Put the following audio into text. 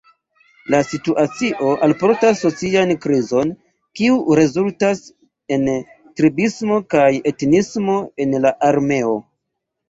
La situacio alportas socian krizon, kiu rezultas en tribismo kaj etnismo en la armeo.